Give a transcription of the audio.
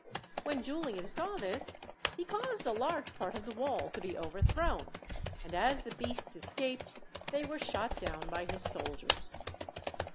When Julian saw this, he caused a large part of the wall to be over thrown, and as the beasts escaped they were shot down by his soldiers.